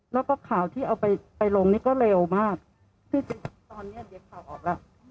แล้วก็ข่าวที่เอาไปไปลงนี่ก็เร็วมากจริงตอนเนี้ยเดี๋ยวข่าวออกแล้ว